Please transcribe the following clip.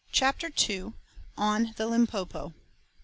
CHAPTER TWO. ON THE LIMPOPO.